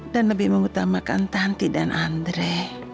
dan lebih mengutamakan tanti dan andre